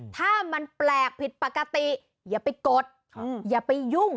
ถ้ามันแปลกผิดปกติอย่าไปกดอย่าไปยุ่ง